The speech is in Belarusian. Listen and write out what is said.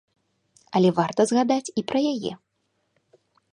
Але варта згадаць і пра яе.